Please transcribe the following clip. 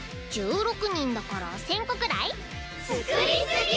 １６人だから１０００個くらい？作り過ぎ！